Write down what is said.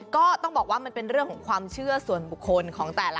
ก็ต้องบอกว่ามันเป็นเรื่องของความเชื่อส่วนบุคคลของแต่ละ